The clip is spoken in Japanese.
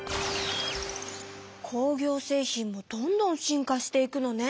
工業製品もどんどん進化していくのね。